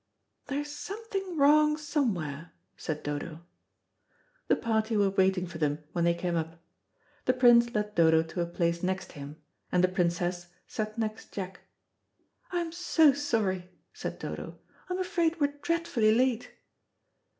"There's something wrong somewhere," said Dodo. The party were waiting for them when they came up. The Prince led Dodo to a place next him, and the Princess sat next Jack. "I'm so sorry," said Dodo; "I'm afraid we're dreadfully late."